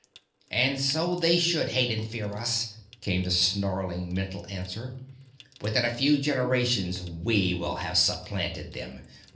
_ And so they should hate and fear us, came the snarling mental answer. _Within a few generations, we will have supplanted them.